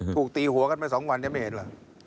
ถูกตีหัวกันมา๒วันยังไม่เห็นล่ะ